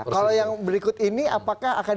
kalau yang berikut ini apakah akan